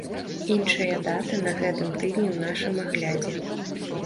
Іншыя даты на гэтым тыдні ў нашым аглядзе.